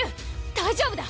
大丈夫だ！